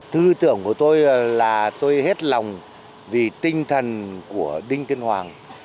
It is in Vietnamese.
thư tưởng của tôi là tôi hết lòng vì tinh thần của đinh tiên hoàng